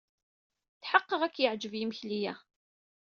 Tḥeqqeɣ ad k-yeɛjeb yimekli-a.